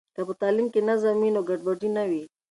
که په تعلیم کې نظم وي، نو ګډوډي نه وي.